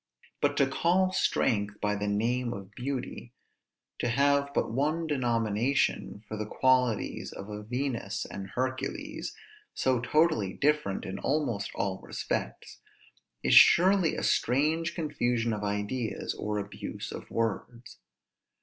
But to call strength by the name of beauty, to have but one denomination for the qualities of a Venus and Hercules, so totally different in almost all respects, is surely a strange confusion of ideas, or abuse of words.